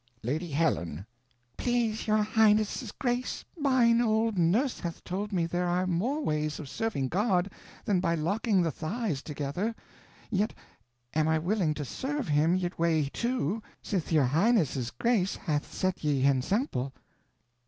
Lady Helen. Please your highnesses grace, mine old nurse hath told me there are more ways of serving God than by locking the thighs together; yet am I willing to serve him yt way too, sith your highnesses grace hath set ye ensample.